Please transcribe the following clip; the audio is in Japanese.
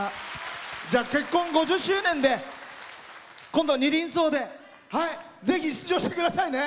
結婚５０周年で今度は「二輪草」でぜひ出場してくださいね。